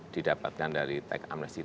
didapatkan dari teks amnesti